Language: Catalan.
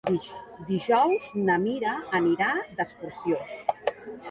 Dijous na Mira anirà d'excursió.